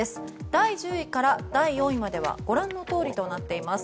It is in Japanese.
第１０位から第４位まではご覧のとおりとなっています。